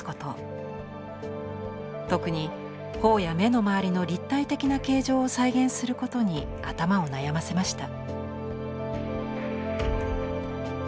特に頬や目のまわりの立体的な形状を再現することに頭を悩ませました。